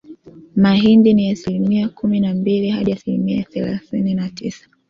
mahindi ni asilimia kumi na mbili hadi asilimia thelathini na tisa